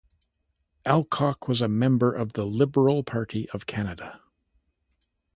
Alcock was a member of the Liberal Party of Canada.